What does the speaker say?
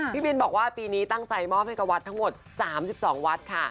พี่บินบอกว่าปีนี้ตั้งใจมอบให้กับวัดทั้งหมด๓๒วัดค่ะ